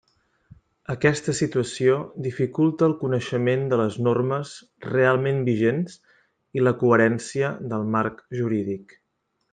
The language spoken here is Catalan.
Aquesta situació dificulta el coneixement de les normes realment vigents i la coherència del marc jurídic.